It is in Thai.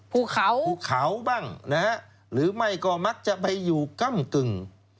ผู้เขาบ้างนะครับหรือไม่ก็มักจะไปอยู่กำกึง